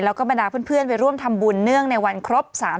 แล้วก็บรรดาเพื่อนไปร่วมทำบุญเนื่องในวันครบ๓๐